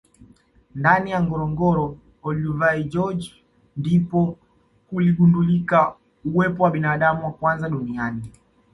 ndani ya ngorongoro Olduvai george ndipo kuligundulika uwepo wa binadamu wa kwanza duniani